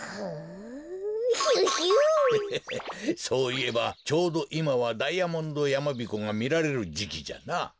そういえばちょうどいまはダイヤモンドやまびこがみられるじきじゃな。